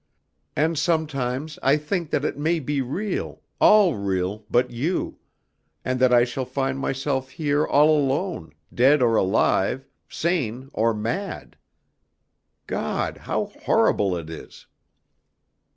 And sometimes I think that it may be real, all real but you, and that I shall find myself here all alone, dead or alive, sane or mad. God! how horrible it is!"